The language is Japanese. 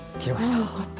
あよかった。